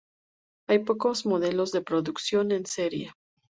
Hay pocos modelos de producción en serie.